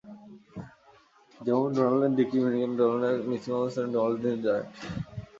যেমনঃ Donald and Mickey, Donald Duck and Mickey Mouse, Walt Disney giant.